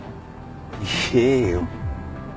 言えよ。